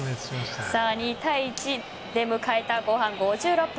２対１で迎えた後半５６分。